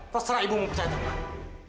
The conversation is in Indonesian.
terserah ibu mau percaya atau nggak